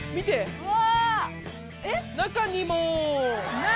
うわ。